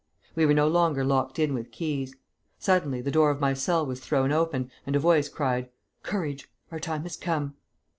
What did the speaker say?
We were no longer locked in with keys. Suddenly the door of my cell was thrown open, and a voice cried: 'Courage! our time has come.'